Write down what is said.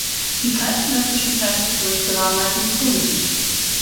Die zeitgenössischen Zeitungsberichte waren meistens positiv.